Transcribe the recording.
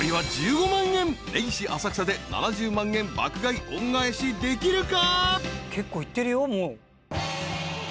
［根岸浅草で７０万円爆買い恩返しできるか？］